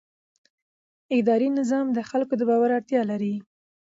اداري نظام د خلکو د باور اړتیا لري.